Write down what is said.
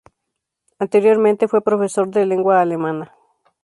Anteriormente fue profesor de lengua alemana.